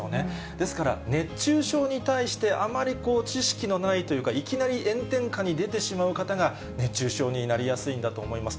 ですから熱中症に対して、あまりこう、知識のないというか、いきなり炎天下に出てしまう方が熱中症になりやすいんだと思います。